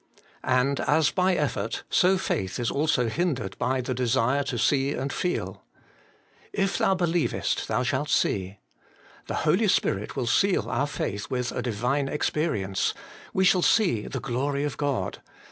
And as by effort, so faith is also hindered by the desire to see and feel. ' If thou believest, thou shalt see ;' the Holy Spirit will seal our faith with a Divine experience ; we shall see the glory of God.